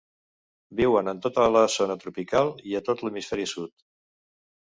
Viuen en tota la zona tropical, i a tot l'hemisferi sud.